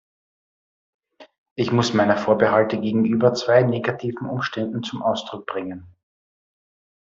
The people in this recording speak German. Ich muss meine Vorbehalte gegenüber zwei negativen Umständen zum Ausdruck bringen.